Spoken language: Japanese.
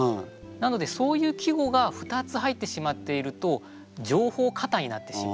なのでそういう季語が２つ入ってしまっていると情報過多になってしまう。